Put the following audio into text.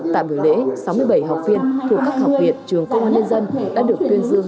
tại buổi lễ sáu mươi bảy học viên thuộc các học viện trường công an nhân dân đã được tuyên dương